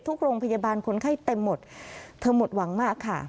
ทุกโรงพยาบาลคนไข้เต็มหมดเธอหมดหวังมากค่ะ